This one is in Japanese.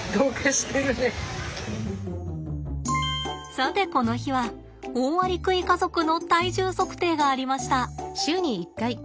さてこの日はオオアリクイ家族の体重測定がありました。